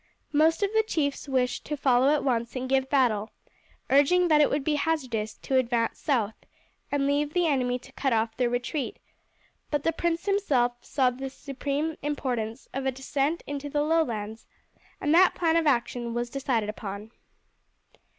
Most of the chiefs wished to follow at once and give battle, urging that it would be hazardous to advance south and leave the enemy to cut off their retreat; but the prince himself saw the supreme importance of a descent into the Lowlands, and that plan of action was decided upon.